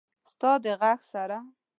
ستا د ږغ سره…